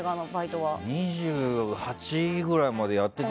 ２８くらいまでやってて。